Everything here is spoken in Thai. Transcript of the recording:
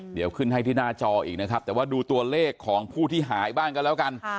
เดี๋ยวขึ้นให้ที่หน้าจออีกนะครับแต่ว่าดูตัวเลขของผู้ที่หายบ้างกันแล้วกัน